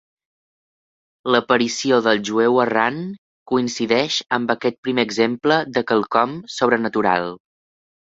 L'aparició del jueu errant coincideix amb aquest primer exemple de quelcom sobrenatural.